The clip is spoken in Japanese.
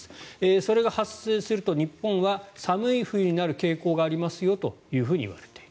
それが発生すると日本は寒い冬になる傾向がありますよと言われている。